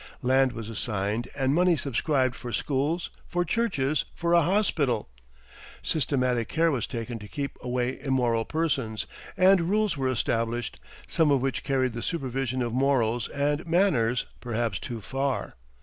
Land was assigned and money subscribed for schools, for churches, for a hospital. Systematic care was taken to keep away immoral persons, and rules were established, some of which carried the supervision of morals and manners perhaps too far.